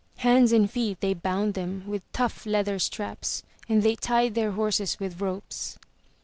Hands and feet they bound them, with tough leather straps, and they tied their horses with ropes.